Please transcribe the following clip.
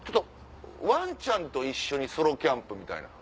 ワンちゃんと一緒にソロキャンプみたいな。